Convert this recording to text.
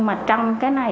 bán thêm sách